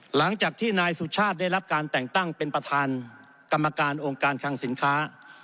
หลังจากที่นายสุชาติได้รับการแต่งตั้งเป็นประธานกรรมการองค์การคังสินค้า